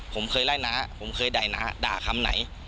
ผมเคยไล่น้าผมเคยด่ายน้าด่าคำไหน